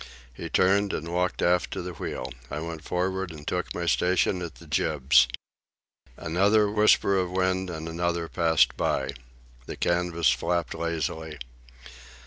He turned and walked aft to the wheel. I went forward and took my station at the jibs. Another whisper of wind, and another, passed by. The canvas flapped lazily.